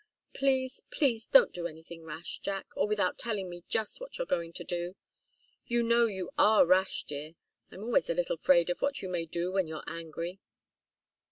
Please, please don't do anything rash, Jack, or without telling me just what you're going to do! You know you are rash, dear I'm always a little afraid of what you may do when you're angry."